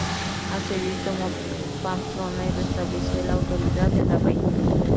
Asedió y tomó Pamplona y restableció la autoridad de la reina.